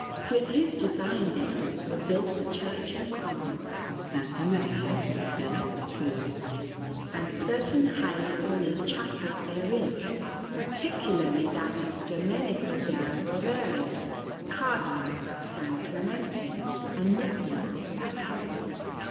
With his design, then, were built the Church and Convent of S. Maria del Popolo, and certain highly ornate chapels therein, particularly that of Domenico della Rovere, Cardinal of San Clemente and nephew of that Pope.